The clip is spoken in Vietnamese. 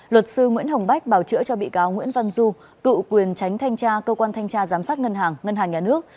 luật sư nguyễn hồng bách bảo chữa cho bị cáo nguyễn văn du cựu quyền tránh thanh tra cơ quan thanh tra giám sát ngân hàng ngân hàng nhà nước